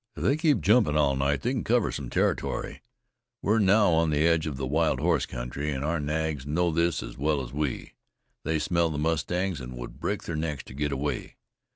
"If they keep jumpin' all night they can cover some territory. We're now on the edge of the wild horse country, and our nags know this as well as we. They smell the mustangs, an' would break their necks to get away.